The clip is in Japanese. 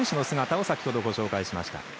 先ほどご紹介しました。